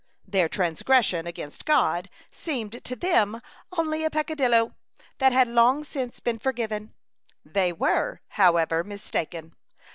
Their transgression against God seemed to them only a peccadillo that had long since been forgiven. They were, however, mistaken.